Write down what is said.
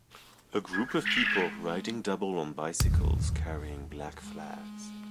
A group of people riding double on bicycles carrying black flags.